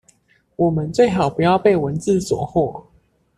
我們最好不要被文字所惑